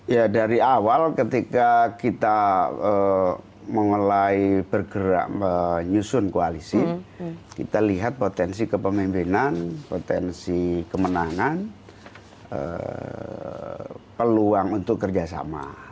ya dari awal ketika kita mulai bergerak menyusun koalisi kita lihat potensi kepemimpinan potensi kemenangan peluang untuk kerjasama